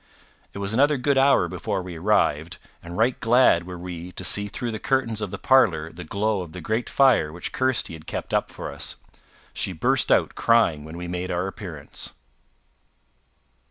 It was another good hour before we arrived, and right glad were we to see through the curtains of the parlour the glow of the great fire which Kirsty had kept up for us. She burst out crying when we made our appearance.